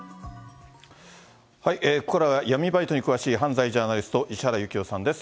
ここからは、闇バイトに詳しい犯罪ジャーナリスト、石原行雄さんです。